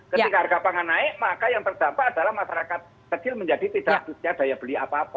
ketika harga pangan naik maka yang terdampak adalah masyarakat kecil menjadi tidak punya daya beli apa apa